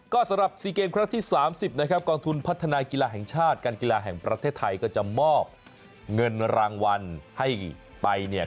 ก็สำหรับ๔เกมครั้งที่๓๐นะครับกองทุนพัฒนากีฬาแห่งชาติการกีฬาแห่งประเทศไทยก็จะมอบเงินรางวัลให้ไปเนี่ย